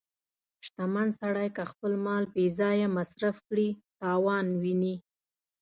• شتمن سړی که خپل مال بې ځایه مصرف کړي، تاوان ویني.